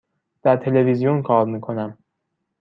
در تلویزیون کار می کنم.